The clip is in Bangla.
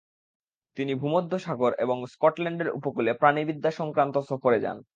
তিনি ভূমধ্যসাগর এবং স্কটল্যান্ডের উপকূলে প্রাণিবিদ্যা সংক্রান্ত সফরে যান।